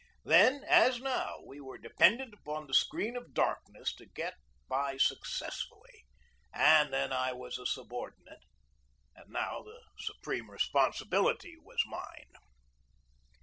Then, as now, we were dependent upon the screen of darkness to get by successfully, but then I was a subordinate and now the supreme responsibility was mine.